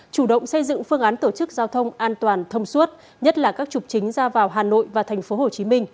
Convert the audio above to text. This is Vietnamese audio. chủ động xây dựng phương án tổ chức giao thông an toàn thông suốt nhất là các trục chính ra vào hà nội và tp hcm